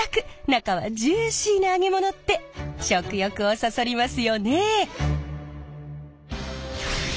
中はジューシーな揚げ物って食欲をそそりますよね。